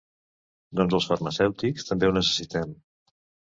Doncs els farmacèutics també ho necessitem.